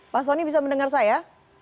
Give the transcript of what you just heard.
pak soni bisa mendengar saya